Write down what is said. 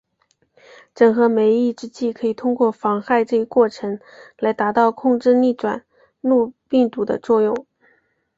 整合酶抑制剂可以通过妨害这一过程来达到控制逆转录病毒的作用。